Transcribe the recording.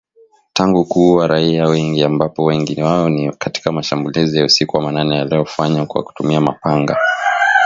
Tangu kuua raia wengi ambapo wengi wao ni katika mashambulizi ya usiku wa manane yaliyofanywa kwa kutumia mapanga